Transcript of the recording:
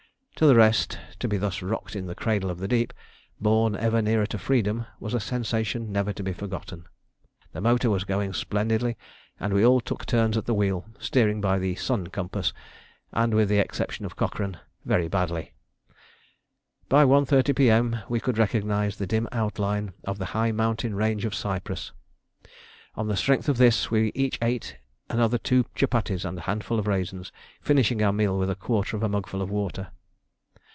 To the rest, to be thus rocked in the cradle of the deep, borne ever nearer to freedom, was a sensation never to be forgotten. The motor was going splendidly, and we all took turns at the wheel, steering by the "sun compass," and, with the exception of Cochrane, very badly. By 1.30 P.M. we could recognise the dim outline of the high mountain range of Cyprus: on the strength of this we each ate another two chupatties and a handful of raisins, finishing our meal with a quarter of a mugful of water.